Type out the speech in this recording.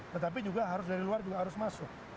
tetapi juga harus dari luar juga harus masuk